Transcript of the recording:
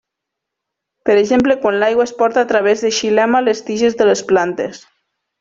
Per exemple, quan l'aigua es porta a través de xilema les tiges de les plantes.